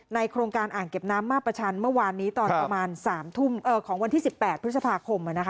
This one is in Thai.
โครงการอ่างเก็บน้ำมาประชันเมื่อวานนี้ตอนประมาณ๓ทุ่มของวันที่๑๘พฤษภาคม